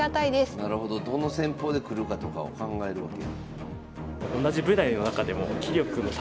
なるほどどの戦法で来るかとかを考えるわけや。